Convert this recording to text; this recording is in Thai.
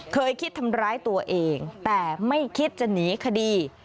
เคยคิดทำร้ายตัวเองแต่ไม่คิดจะหนีคดี